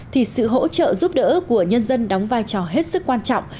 thì sự hỗ trợ giúp đỡ của nhân dân đóng vai trò hết sức quan trọng